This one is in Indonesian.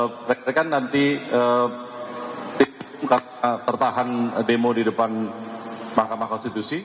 mereka kan nanti tertahan demo di depan mahkamah konstitusi